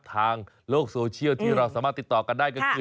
ทางโลกโซเชียลที่เราสามารถติดต่อกันได้ก็คือ